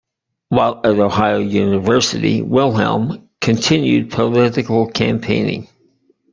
While at Ohio University, Wilhelm continued political campaigning.